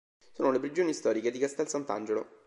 Sono le prigioni storiche di Castel Sant'Angelo.